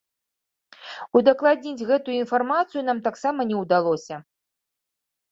Удакладніць гэтую інфармацыю нам таксама не ўдалося.